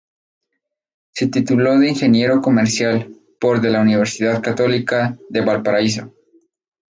Se tituló de ingeniero comercial por de la Universidad Católica de Valparaíso.